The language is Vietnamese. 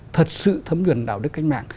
thật sự thấm gần đạo đức cách mạng